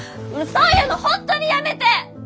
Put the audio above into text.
そういうの本当にやめて！